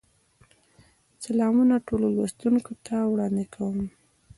سلامونه ټولو لوستونکو ته وړاندې کوم.